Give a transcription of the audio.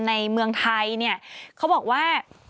ในเมืองไทยเขาบอกว่า